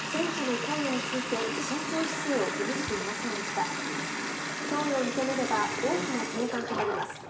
供与を認めれば大きな転換となります。